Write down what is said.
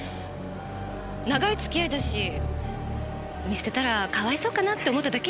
長い付き合いだし見捨てたらかわいそうかなって思っただけよ。